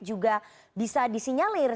juga bisa disinyalir